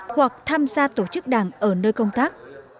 hoặc tham gia tổ chức đảng ở nơi công tác